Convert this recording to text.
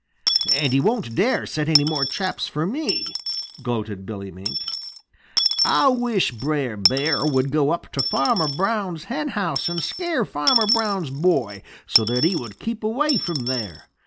"And he won't dare set any more traps for me," gloated Billy Mink. "Ah wish Brer Bear would go up to Farmer Brown's henhouse and scare Farmer Brown's boy so that he would keep away from there.